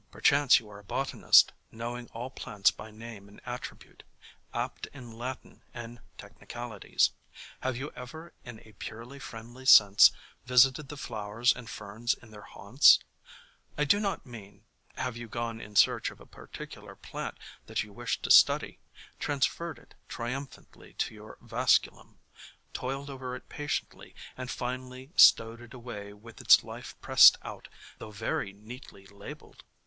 Perchance you are a botanist, knowing all plants by name and attribute, apt in Latin and techni calities; have you ever in a purely friendly sense visited the flowers and ferns in their haunts ? I do not mean, have you gone in search of a particular plant that you wished to study, trans ferred it triumphantly to your vasculum; toiled over it patiently and finally stowed it away with its life pressed out, though very neatly labeled.